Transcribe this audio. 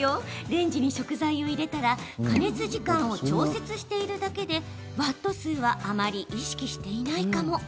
レンジに食材を入れたら加熱時間を調節しているだけでワット数はあまり意識していないかも。